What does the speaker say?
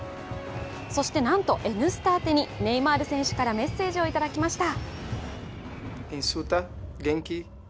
そして、なんと「Ｎスタ」あてにネイマール選手からメッッセージをいただきました。